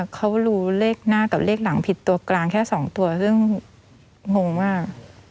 เขารู้เลขหน้ากับเลขหลังผิดตัวกลางแค่๒ตัวซึ่งงงมาก